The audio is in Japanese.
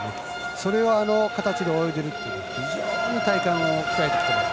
それがこの形で泳げるというのは非常に体幹を鍛えてきています。